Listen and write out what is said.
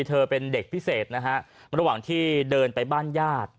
เธอเป็นเด็กพิเศษนะฮะระหว่างที่เดินไปบ้านญาติ